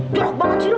jorok banget sih lo